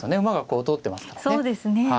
馬がこう通ってますからね。